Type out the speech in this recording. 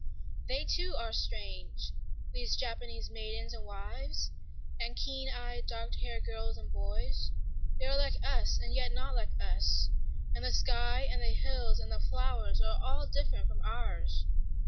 They too are strange, these Japanese maidens and wives and keen eyed, dark haired girls and boys; they are like us and yet not like us; and the sky and the hills and the flowers are all different from ours.